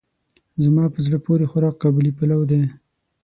زما په زړه پورې خوراک قابلي پلو دی.